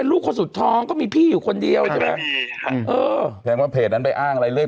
กรูของเขาน่าจะเป็นแบบนั้นละครับ